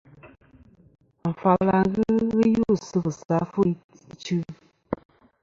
Afal a ghɨ ghɨ us sɨ fɨsi ɨfwo ichɨ.